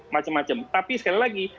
yang ave n der tapi sekali lagi